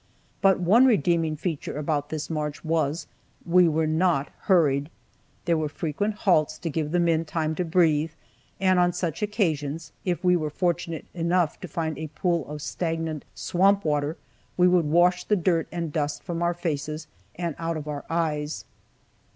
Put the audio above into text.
But one redeeming feature about this march was we were not hurried. There were frequent halts, to give the men time to breathe, and on such occasions, if we were fortunate enough to find a pool of stagnant swamp water, we would wash the dirt and dust from our faces and out of our eyes.